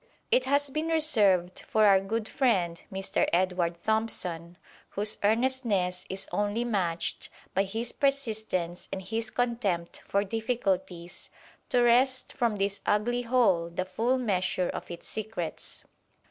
It has been reserved for our good friend Mr. Edward Thompson, whose earnestness is only matched by his persistence and his contempt for difficulties, to wrest from this ugly hole the full measure of its secrets.